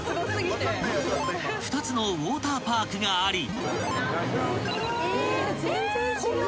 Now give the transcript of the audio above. ［２つのウオーターパークがあり］